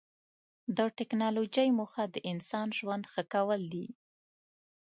د ټکنالوجۍ موخه د انسان ژوند ښه کول دي.